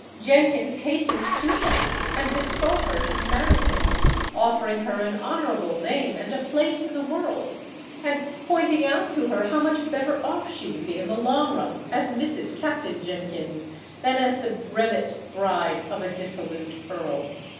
Jenkins hastened to her and besought her to marry him, offering her an honorable name and a place in the world, and pointing out to her how much better off she would be in the long run as Mrs. Captain Jenkins than as the brevet bride of a dissolute earl.